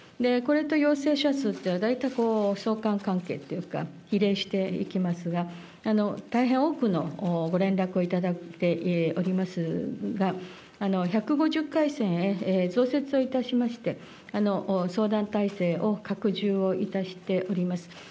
これと陽性者数というのは、大体相関関係というか、比例していきますが、大変多くのご連絡を頂いておりますが、１５０回線へ増設をいたしまして、相談体制を拡充をいたしております。